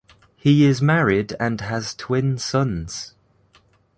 He is married and has twin sons.